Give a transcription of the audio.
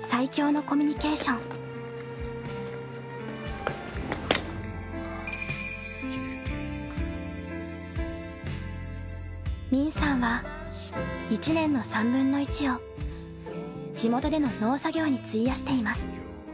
最強のコミュニケーション泯さんは１年の３分の１を地元での農作業に費やしています